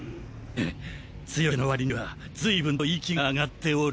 フン強気のわりにはずいぶんと息があがっておる。